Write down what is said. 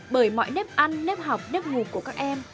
bởi mọi nếp ăn nếp học nếp ngục của các em